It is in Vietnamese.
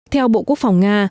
theo bộ quốc phòng nga